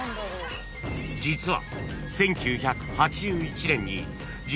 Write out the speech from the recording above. ［実は］